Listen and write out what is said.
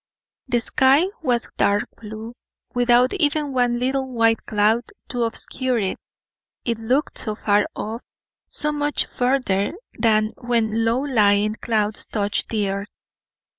The sky was dark blue, without even one little white cloud to obscure it; it looked so far off, so much further than when low lying clouds touch the earth.